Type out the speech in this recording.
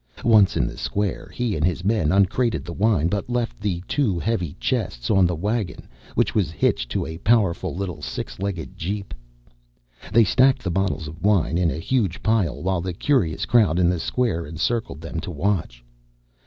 Once in the square, he and his men uncrated the wine but left the two heavy chests on the wagon which was hitched to a powerful little six legged Jeep. They stacked the bottles of wine in a huge pile while the curious crowd in the square encircled them to watch.